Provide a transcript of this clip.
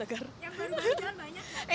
yang baru jalan banyak